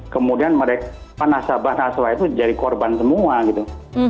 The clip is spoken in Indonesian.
kemudian mereka nasabah nasabah itu jadi korban semua gitu